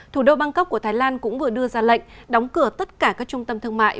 thủ đô bangkok của thái lan cũng vừa đưa ra lệnh đóng cửa tất cả các trung tâm thương mại